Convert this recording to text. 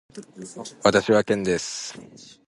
私はケンです。